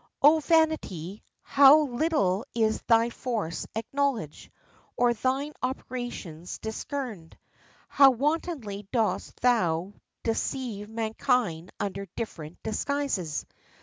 O vanity, how little is thy force acknowledged or thine operations discerned! How wantonly dost thou deceive mankind under different disguises!